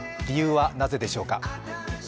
理由はなぜでしょうか。